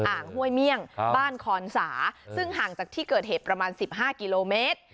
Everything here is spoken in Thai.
อ่างห้วยเมี่ยงบ้านคอนสาซึ่งห่างจากที่เกิดเหตุประมาณ๑๕กิโลเมตร